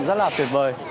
rất là tuyệt vời